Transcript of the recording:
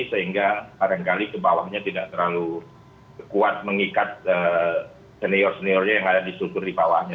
sehingga barangkali ke bawahnya tidak terlalu kuat mengikat senior seniornya yang ada di struktur di bawahnya